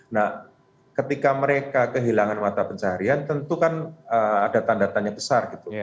nah ketika mereka kehilangan mata pencaharian tentu kan ada tanda tanya besar gitu